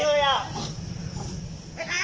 สวัสดีครับคุณแฟม